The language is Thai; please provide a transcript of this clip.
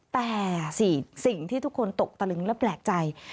แต่สิ่งที่ทุกคนตกตะลึงและแปลกใจ